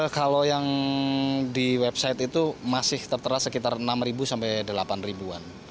kalau yang di website itu masih tertera sekitar enam sampai delapan an